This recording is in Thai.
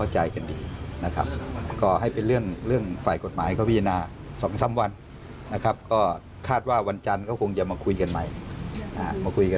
จะมาคุยกันใหม่